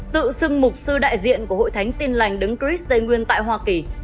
tự xưng mục sư đại diện của hội thánh tin lành đứng christian nguyên tại hoa kỳ